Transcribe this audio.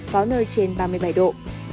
có nơi trên ba mươi bảy độ